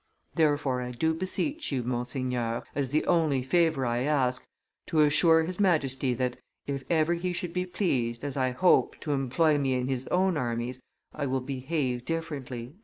Therefore, I do beseech you, monseigneur, as the only favor I ask, to assure his Majesty that, if ever he should be pleased, as I hope, to employ me in his own armies, I will behave differently."